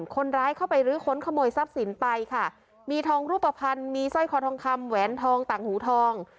คนร้ายเข้าไปรื้อค้นขโมยทรัพย์สินไปค่ะมีทองรูปภัณฑ์มีสร้อยคอทองคำแหวนทองต่างหูทอง